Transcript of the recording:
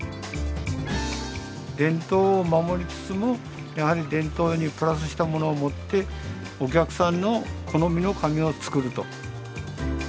伝統を守りつつもやはり伝統にプラスしたものをもってお客さんの好みの紙を作ると。